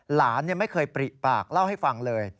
หลานไม่เคยปริปากเล่าให้ฟังเลย